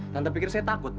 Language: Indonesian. tante pikir saya takut